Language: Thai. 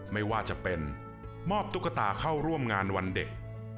ไม่ว่าจะเป็นมอบตุ๊กตาเข้าร่วมงานวันเด็ก